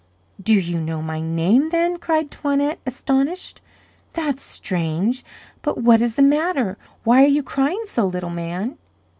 "Do you know my name, then?" cried Toinette, astonished. "That's strange. But what is the matter? Why are you crying so, little man?"